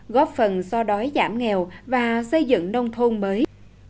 góp phần so đói giảm nghèo và xây dựng nông thôn mới